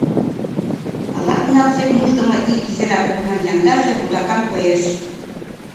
Ала-кунамсек мушдымо ик изирак окнан яндаже вудакан коеш.